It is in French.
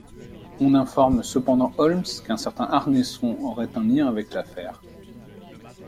On informe cependant Holmes qu'un certain Arnesson aurait un lien avec l'affaire.